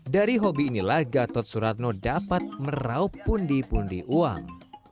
dari hobi inilah gatot suratno dapat meraup pundi pundi uang